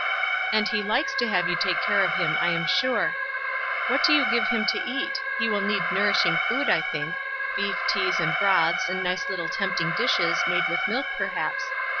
"And he likes to have you take care of him, I am sure. What do you give him to eat? He will need nourishing food, I think; beef teas and broths, and nice little tempting dishes, made with milk, perhaps.